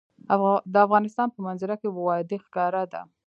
د افغانستان په منظره کې وادي ښکاره ده.